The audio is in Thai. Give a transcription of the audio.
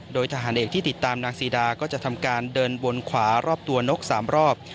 โดยทหารเอกที่ติดตามนางซีดาก็จะทำการเดินวนขวารอบตัวนก๓รอบ